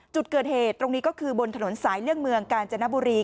จุดเกิดเหตุตรงนี้ก็คือบนถนนสายเลี่ยงเมืองกาญจนบุรี